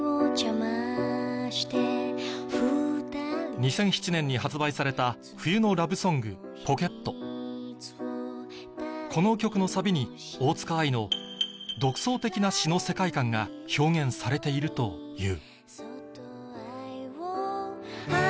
２００７年に発売された冬のラブソング『ポケット』この曲のサビに大塚愛のが表現されているという